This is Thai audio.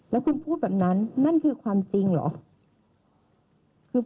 แล้วคุณพูดแบบนั้นนั่นคือความจริงเหรอ